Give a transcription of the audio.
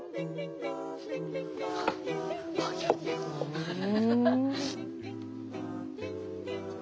うん。